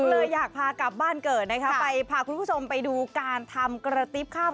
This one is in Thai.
ก็เลยอยากพากลับบ้านเกิดนะคะไปพาคุณผู้ชมไปดูการทำกระติ๊บข้าว